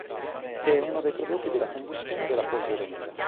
È uno dei prodotti della combustione della polvere nera.